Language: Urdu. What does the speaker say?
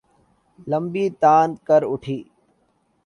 لمبی تان کر اُٹھی